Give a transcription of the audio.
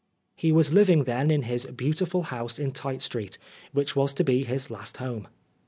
He was living then in his beautiful house in Tite Street, which was to be his last home.